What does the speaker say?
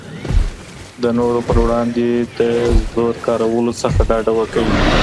د نورو پر وړاندي د زور کارولو څخه ډډه وکړئ.